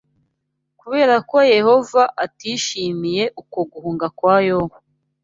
Kubera ko Yehova atishimiye uko guhunga kwa Yona